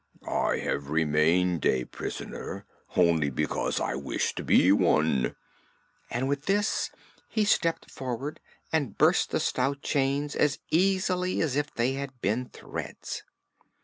"I have remained a prisoner only because I wished to be one," and with this he stepped forward and burst the stout chains as easily as if they had been threads.